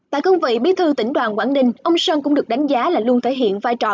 tại cương vị bí thư tỉnh đoàn quảng ninh ông sơn cũng được đánh giá là luôn thể hiện vai trò